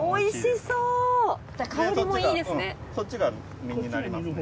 そっちが身になりますね。